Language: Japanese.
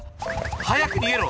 早く逃げろ！